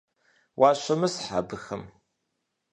Уащымысхь абыхэм.